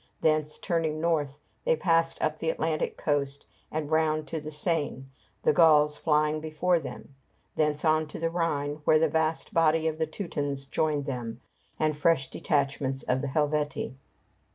Thence, turning north, they passed up the Atlantic coast and round to the Seine, the Gauls flying before them; thence on to the Rhine, where the vast body of the Teutons joined them, and fresh detachments of the Helvetii.